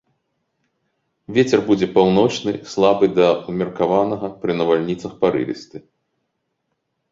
Вецер будзе паўночны, слабы да ўмеркаванага, пры навальніцах парывісты.